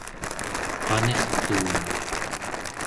qanirtuun